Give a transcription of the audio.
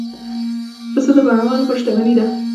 پسه د بڼوال لپاره شتمني ده.